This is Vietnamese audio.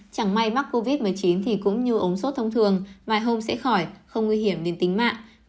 chẳng may mắc covid một mươi chín thì cũng như ống sốt thông thường vài hôm sẽ khỏi không nguy hiểm đến tính mạng